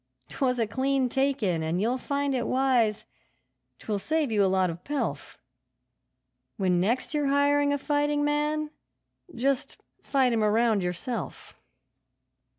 'Twas a clean take in, and you'll find it wise 'twill save you a lot of pelf When next you're hiring a fighting man, just fight him a round yourself.'